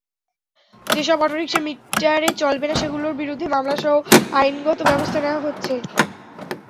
যেসব অটোরিকশা মিটারে চলবে না, সেগুলোর বিরুদ্ধে মামলাসহ আইনগত ব্যবস্থা নেওয়া হচ্ছে।